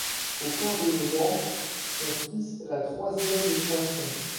Au quinze novembre, on fit la troisième moisson.